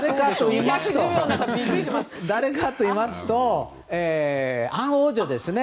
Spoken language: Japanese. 誰かといいますとアン王女ですね。